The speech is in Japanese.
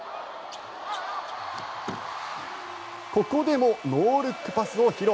ここでもノールックパスを披露。